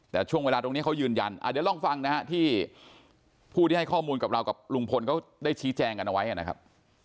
แต่ช่วงเวลาตรงนี้เขายืนยันเดี๋ยวลองฟังนะฮะที่ผู้ที่ให้ข้อมูลกับเรากับลุงพลเขาได้ชี้แจงกันเอาไว้นะครับ